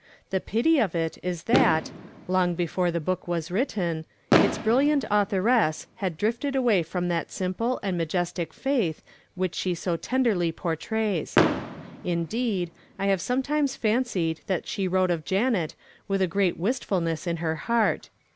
The pity of it is that, long before the book was written, its brilliant authoress had drifted away from that simple and majestic faith which she so tenderly portrays. Indeed, I have sometimes fancied that she wrote of Janet with a great wistfulness in her heart.